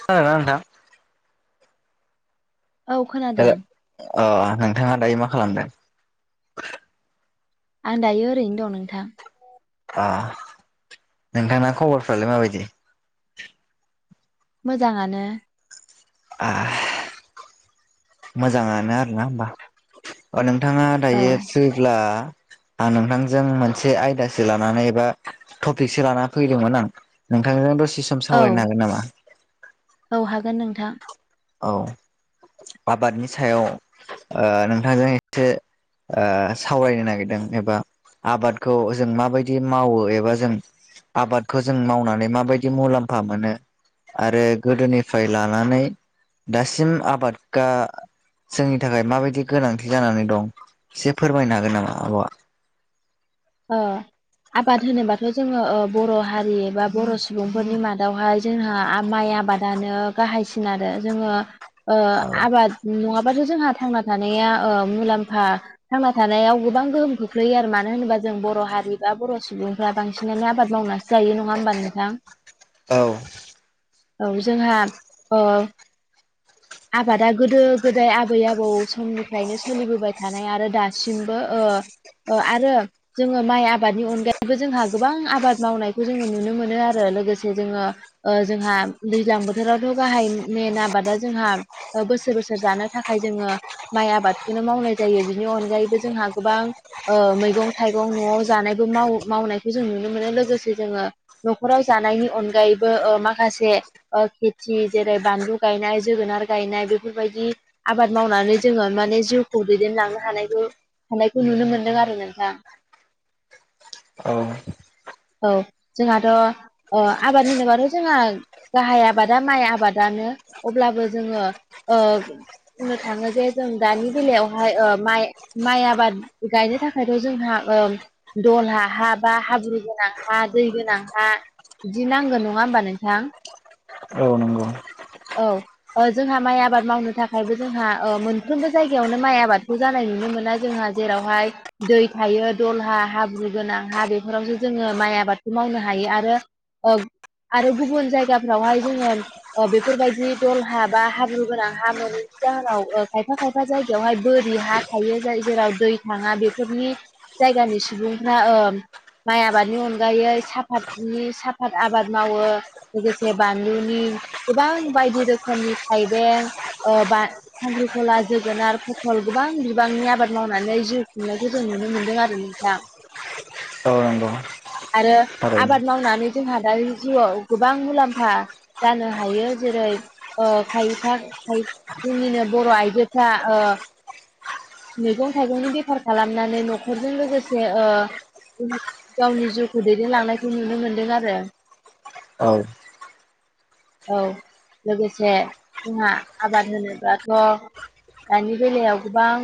खोनादोंना नोंथां। औ हेल' खोनादों। अ नोंथाङा दायो मा खालामदों? आं दायो ओरैनो दं नोंथां। आ नोंथांना खबरफ्रालाय माबायदि? मोजाङानो? आ मोजाङानो आरोना होमबा। अ नोंथाङा औ दायो फ्रिब्ला आं नोंथांजों मोनसे आयदासो लानानै एबा टपिकसो लानानै फैदोंमोन आं। नोंथांजों दसे सम औ सावरायनो हागोन नामा? औ हागोन नोंथां। औ आबादनि सायाव नोंथांजों एसे ओ सावरायनो नागिरदों एबा आबादखौ जों माबायदि मावो एबा जों आबादखौ जों मावनानै माबायदि मुलाम्फा मोनो। आरो गोदोनिफ्राय लानानै दासिम आबादगा जोंनि थाखाय माबायदि गोनांथि जानानै दं एसे फोरमायनो हागोन नामा आब'आ? ओ आबाद होनोबाथ' जोङो बर' हारि बा बर' सुबुंफोरनि मादावहाय जोंहा माइ आबादानो गाहायसिन आरो जोङो ओ औ आबाद नङाबाथ' जोंहा थांना थानाया ओ मुलाम्फा थांना थानायाव गोबां गोहोम खोख्लैयो आरो मानो होनोबा ज जों बर' हारि बा बर' सुबुंफ्रा बांसिनानो आबाद मावना जायो नङा होमबा नोंथां औ औ जोंहा ओ [inaudible] आबादा गोदो गोदाय आबै आबौ समनिफ्रायनो सोलिबोबाय थानाय आरो दासिमबो ओ अ आरो जोङो माइ आबादनि अनगायैबो जोंहा गोबां आबाद मावनायखौ जोङो नुनो मोनो आरो लोगोसे जोङो ओ जोंहा दैज्लां बोथोरावथ' गाहाय मेन आबादा जोंहा ओ बोसोर- बोसोर जानो थाखाय जोङो माइ आबादखौनो मावनाय जायो बिनि अनगायैबो जोंहा गोबां ओ मैगं थाइगं न'आव जानायबो माव मावनायखौ जों नुनो मोनो लोगोसे जोङो न'खराव जानायनि अनगायैबो ओ माखासे ओ खेथि जेरै बानलु गायनाय जोगोनार गायनाय बेफोरबायदि आबाद मावनानै जोङो माने जिउखौ दैदेनलांनो हानायखौ हानायखौ नुनो मोनदों आरो ना नोंथां। औ। औ जोंहाथ' ओ आबाद होनोबाथ' जोंहा गाहाय आबादा माइ आबादानो अब्लाबो जोङो ओ बुंनो थाङो जे जों दानि बेलायावहाय माइ माइ आबाद गायनो थाखायथ' जोंहा ओ दला हा बा हाब्रु गोनां हा दै गोनां हा बिदि नांगोन नङा होमबा नोंथां। औ नंगौ। औ। ओ जोंहा माइ आबाद मावनो थाखायबो जोंहा ओ मोनफ्रोमबो जायगायावनो माइ आबादखौ जानाय नुनो मोना जोंहा जेरावहाय दै थायो दलहा हाब्रु गोनां हा बेफोरावसो जोङो माइ आबादखौ मावनो हायो आरो औ आरो गुबुन जायगाफ्रावहाय जोङो ओ बे बेफोरबायदि दल हा बा हाब्रु गोनां हा मोनैनि जाहोनाव खायफा खायफा जायगायावहाय बोरि हा थायो जाय जेराव दै थाङा बेफोरनि जायगानि सुबुंफ्रा ओ माइ आबादनि अनगायै साफातनि साफाद आबाद मावो लोगोसे बानलुनि गोबां बायदि रोखोमनि थाइबें ओ बा खांखिखला, जोगोनार, फथल गोबां बिबांनि आबाद मावनानै जिउ खुंनायखौ जों नुनो मोनदों आरो नोंथां औ नंगौ आरो थारैनो आबाद मावनानै जोंहा दानि जिउआव गोबां मुलाम्फा जानो हा हायो जेरै ओ खायफा जोंनिनो बर' आइजोफ्रा ओ मैगं थाइगंनि बेफार खालामनानै न'खरजों लोगोसे ओ गावनि जिउखौ दैदेनलांनायखौ नुनो मोनदों आरो। औ। औ लोगोसे जोंहा आबाद होनोब्लाथ' दानि बेलायाव गोबां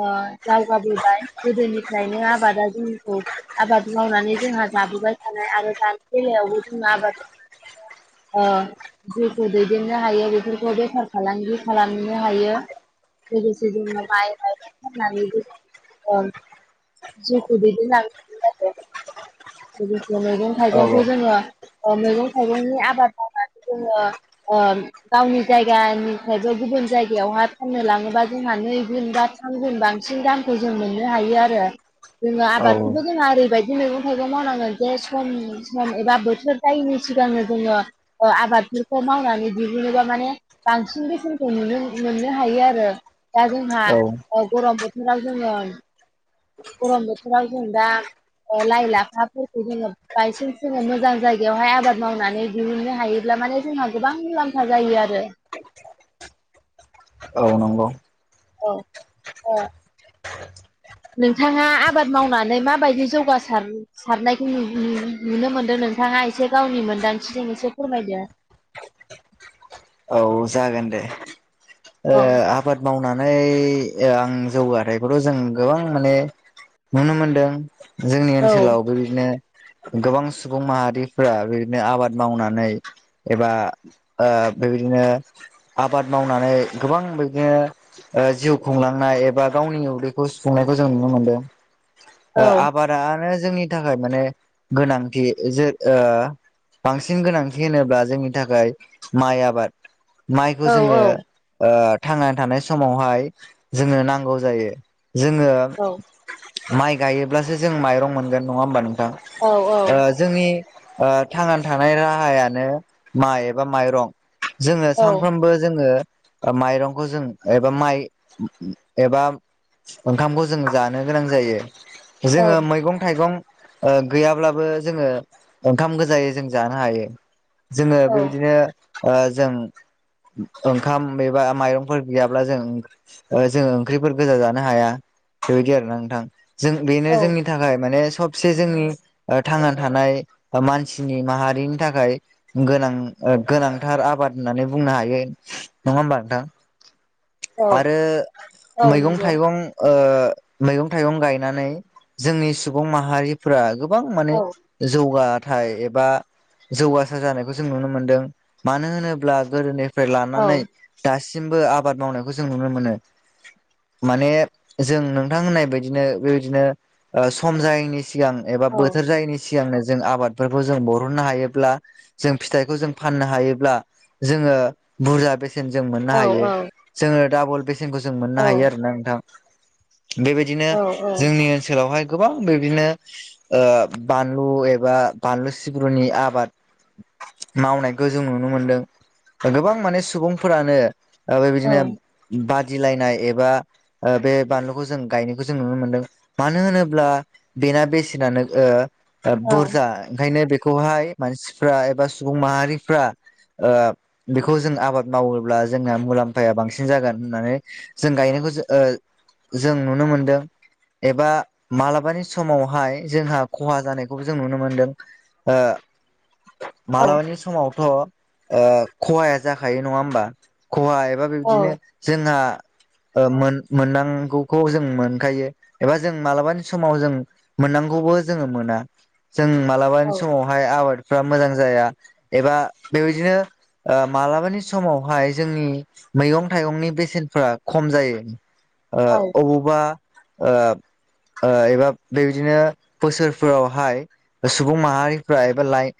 ओ दावगाबोबाय गोदोनिफ्रायनो आबादा जोंखौ आबाद मावनानै जोंहा जाबोबाय थानाय आरो दानि बेलायावबो जों आबाद ओ। जिउखौ दैदेननो हायो बेफोरखौ बेफार फालांगि खालामनो हायो लोगोसे [inaudible] फाननानै [inaudible] जिउखौ दैदेनलांनो हायो आरो। लोगोसे मैगं - औ थाइगंखौ जोङो। ओ मैगं -थाइगंनि आबाद मावनानै जोङो ओ गावनि जायगानिफ्रायबो गुबुन जायगायावहाय फाननो लाङोबा जोंहा नैगुन बा थाम गुन बांसिन दामखौ जों मोननो हायो आरो। जोङो आबादखौबो औ जोंहा ओरैबायदि मैगं-थाइगं मावनांगोन जे सम सम एबा बोथोर फायिनि सिगांनो जोङो ओ आबादफोरखौ मावनानै दिहुनोबा माने बांसिन बेसेनखौ नुनो मोननो हायो आरो दा जोंहा ओ गरम बोथोराव जोङो गरम बोथोराव जों दा ओ लाइ-लाफा फोरखौ जोङो बायसान्स जोङो मोजां जायगायावहाय आबाद मावनानै दिहुननो हायोब्ला माने जोंहा गोबां मुलाम्फा जायो आरो। औ नंगौ। औ औ नोंथाङा आबाद मावनानै माबायदि जौगासार सारनायखौ नुनो मोनदों नोंथाङा एसे गावनि मोन्दांथिजों एसे फोरमायद औ जागोन दे औ आबाद मावनानै आं जौगाथायाइखौथ' जों गोबां माने नुनो मोनदों जोंनि औ ओनसोलावबो बिदिनो गोबां सुबुं माहारिफोरा बिदिनो आबाद मावनानै एबा ओ बेबायदिनो आबाद मावनानै गोबां बेदिनो जिउ खुंलांनाय एबा गावनि उदैखौ सुफुंनायखौ जों नुनो मोनदों औ आबाद नो जोंनि थाखाय माने गोनांथि ज बांसिन गोनांथि होनोब्ला जोंनि थाखाय माइ आबाद माइखौ औ जोङो थांनानै थानाय समावहाय जोङो नांगौ जायो जोङो औ माइ गायोब्लासो जों माइरं मोनगोन नङा होमबा नोंथां औ औ ओ जोंनि थांनानै थानाय राहायानो माइ एबा माइरं जोङो औ सानफ्रामबो जोङो माइरंखौ जों एबा माइ एबा ओंखामखौ जों जानो गोनां जायो जोङो मैगं थाइगं गैयाब्लाबो जोङो ओंखाम गोजायै जों जानो हायो जोङो औ बेबायदिनो जों ओंखाम एबा माइरंफोर गैयाब्ला जों जोङो ओंख्रिफोर गोजा जानो हाया बेबायदि आरो ना नोंथां जों बेनो औ जोंनि थाखाय माने सबसे जोंनि थांना थानाय मानसिनि माहारिनि थाखाय गोनां गोनांथार आबाद होननानै बुंनो हायो नङा होमबा नोंथां औ आरो औ मैगं नंगौ थाइगं मैगं थाइगं गायनानै जोंनि सुबुं माहारिफोरा गोबां माने औ जौगा नाथाय एबा जौगासार जानायखौ जों नुनो मोनदों मानो होनोब्ला गोदोनि फ्राय औ लानानै दासिमबो आबाद मावनायखौ जों नुनो मोनो माने जों नोंथां होननाय बायदिनो बेबायदिनो सम जायैनि सिगां एबा औ बोथोर जायैनि सिगांनो जों आबादफोरखौ जों बरहननो हायोब्ला जों फिथाइखौ जों फाननो हायोब्ला जोङो बुरजा बेसेन जों मोननो औ हायो जोङो डाबल बेसेन मोननो ह औ आरोोना नोंथां बेबायदिनो औ जोंनि ओनसोलावहाय गोबां बिदिनो बानलु एबा बानलु सिब्रुनि आबाद मावनायखौ जों नुनो मोनदों गोबां माने सुबुंफोरानो औ बेबायदिनो बादिलायनाय एबा बे बानलुखौ जों गायनायखौ जों नुनो मोनदों मानो होनोब्ला बेना बेसेनानो औ बुरजा ओंखायनो बेखौहाय मानसिफ्रा एबा सुबुं माहारिफ्रा बेखौ जों आबाद मावोब्ला जोंना मुलाम्फाया बांसिन जागोन होननानै जों गायनायखौ जों जों नुनो मोनदों एबा मालाबानि समावहाय जोंहा खहा जानायखौबो जों नुनो मोनदों ओ औ मालाबानि समावथ' खहाया जाखायो नङा होमबा खहा एबा बेबदिनो जोंहा मोन मोननांगौखौ जों मोनखायो एबा जों मालाबानि समाव जों मोननांगौबो जोङो मोना जों औ मालाबानि समावहाय आबादफ्रा मोजां जाया एबा बेबायदिनो मालाबानि समावहाय जोंनि मैगं थाइगंनि बेसेनफोरा खम जायो। ओ अबावबा ओब एबा बेबायदिनो बोसोरफोरावहाय सुबुं माहारिफ्रा एबा लाइ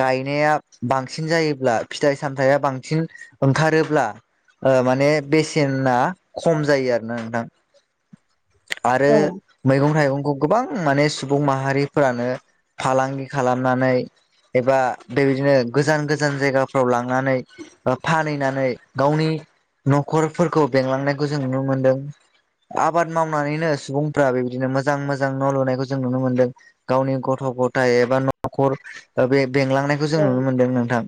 गायनाया बांसिन जायोब्ला फिथाय सामथाइया बांसिन ओंखारोब्ला माने बेसेना खम जायो आरो ना नोंथां? औ आरो मैगं थाइगंखौ गोबां माने सुबुं माहारिफोरानो फालांगि खालामनानै एबा बेबायदिनो गोजान गोजान जायगा फाव लांनानै फानहैनानै गावनि न'खरफोरखौ बेंलांनायखौ जों नुनो मोनदों आबाद मावनानैनो सुबुंफ्रा बेबायदिनो मोजां मोजां न' लुनायखौ जों नुनो मोन्दों गावनि गथ' गथाइ एबा न'खर बे बेंलांनायखौ औ जों नुनो मोनदों नोंथां।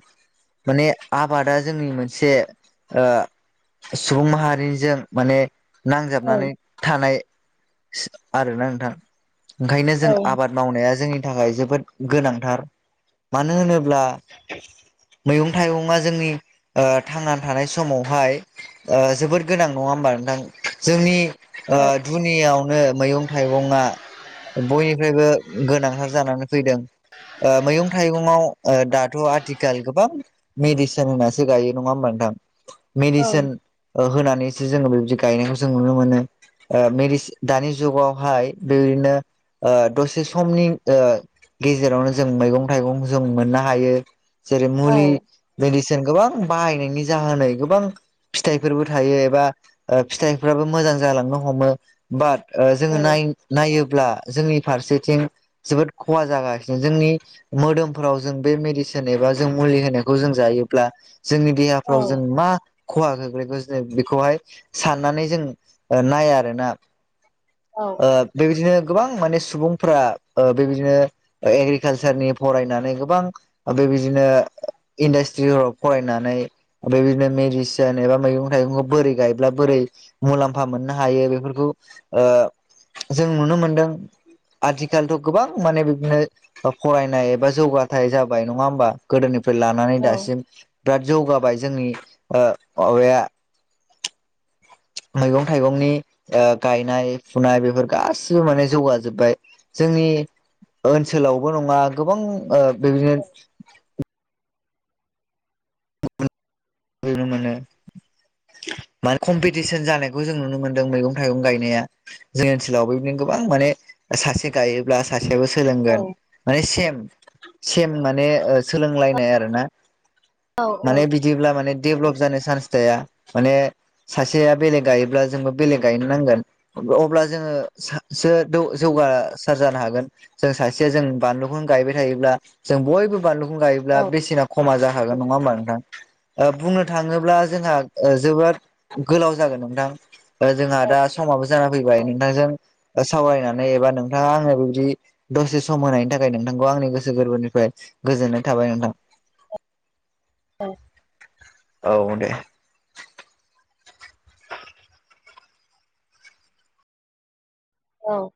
माने आबादा जोंनि मोनसे सुबुं माहारिजों माने औ नांजाबनानै थानाय आरोना नोंथां ओंखायनो औ जों आबाद मावनाया जोंनि थाखाय जोबोद गोनांथार मानो होनोब्ला मैगं थाइगंङा जोंनि थांनानै थानाय समावहाय जोबोद गोनां नङा होमबा नोंथां जोंनि ओ औ दुनियावनो मैगं थाइगङा बयनिफ्रायबो गोनांथार जानानै फैदों मैगं ओ थाइगङाव दाथ' आथिखाल गोबां मेडिसिन होननासो गायो नङा होमबा नोंथां? औ मेडिसिन होनानैसो जोङो बेबायदि गायनायखौ जों नुनो मोनो। मेरि दानि जुगावहाय बेबायदिनो दसे समनि गेजेरावनो जों मैगं थाइगं जों मोननो हायो जेरै मुलि मेडिसिन गोबां बाहायनायनि जाहोनै गोबां फिथाइफोरबो थायो एबा फिथाइफ्राबो मोजां जालांनो हमो बाट जोङो नायोब्ला जोंनि फारसेथिं जोबोद खहा जागासिनो जोंनि मोदोमफोराव जों बे मेडिसिन एबा जों मुलि होनायखौ जों जायोब्ला जोंनि देहाफ्राव जों मा खहा गोग्लैग जो बेखौहाय साननानै जों नाया आरोना औ बेबायदिनो गोबां माने सुबुंफोरा बेबायदिनो एग्रिकालसारनि फरायनानै गोबां बेबायदिनो इन्डास्ट्रिफोराव फरायनानै ओमफ्राय बिदिनो मेरिसिन एबा मैगं थाइगंखौ बोरै गायब्ला बोरै मुलाम्फा मोननो हायो बेफोरखौ जों नुनो मोनदों। आथिखालथ' गोबां माने बिदिनो फरायनाय एबा जौगाथाइ जाबाय नङा होमबा गोदोनिफ्राय लानानै दासिम बिराद जौगाबाय जोंनि माबाया मैगं थाइगंनि गायनाय फुनाय बेफोर गासिबो माने जौगाजोबबाय। जोंनि ओनसोलावबो नङा गोबां बेदिनो नो माने मान कम्पिटिसन जानायखौ जों नुनो मोन्दों मैगं थाइगं गायनाया जों ओनसोलाव बोदिनो गोबां माने सासे गायोब्ला सासेयाबो सोलोंगोन। माने सेम सेम माने सोलोंलायनाय आरो ना? माने बिदिब्ला माने डेभलप जानो चान्स थाया माने सासेया बेलेग गायोब्ला जोंबो बेलेग गायनो नांगोन। अब्ला जोङो सो जौगासार जानो हागोन। जों सासेया जों बानलुखौनो गायबाय थायोब्ला जों बयबो बानलु औ गायोब्ला बेसेना खमा जाखागोन नङा ओमबा नों बुंनो थाङोब्ला जोंहा जोबोद गोलाव जागोन नोंथां जोंहा दा समाबो जाना फैबाय नोंथांजों सावरायनानै एबा नोंथाङा आङो बेबायदि दसे सम होनायनि थाखाय नोंथांखौ आंनि गोसो गोरबोनिफ्राय गोजोननाय थाबाय नोंथां औ औ दे औ